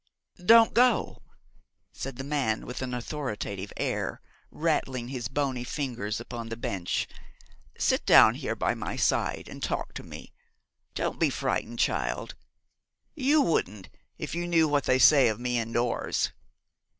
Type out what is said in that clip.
'Don't go,' said the man, with an authoritative air, rattling his bony fingers upon the bench. 'Sit down here by my side, and talk to me. Don't be frightened, child. You wouldn't, if you knew what they say of me indoors.'